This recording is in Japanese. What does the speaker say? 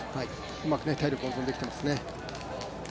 うまく体力を温存できていますね。